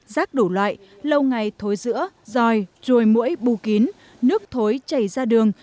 rác đủ loại lâu ngày thối giữa dòi rồi mũi bù kín nước thối chảy ra đường